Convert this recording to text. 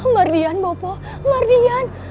mardian bopo mardian